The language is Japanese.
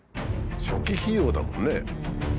初期費用だもんね。